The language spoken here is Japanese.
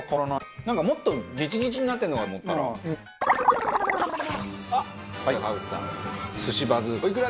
なんかもっとギチギチになってるのかと思ったら。